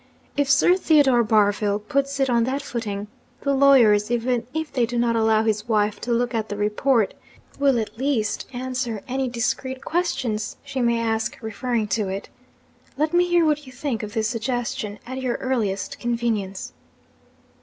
If Sir Theodore Barville puts it on that footing, the lawyers, even if they do not allow his wife to look at the report, will at least answer any discreet questions she may ask referring to it. Let me hear what you think of this suggestion, at your earliest convenience.'